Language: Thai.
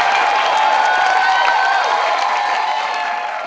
โปรดติดตามตอนต่อไป